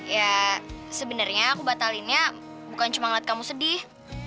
ya sebenernya aku batalinnya bukan cuma ngeliat kamu sedih